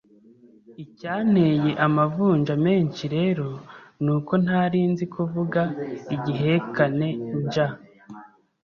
Icyanteye amavunja menshi rero nuko ntarinzi kuvuga igihekane Nj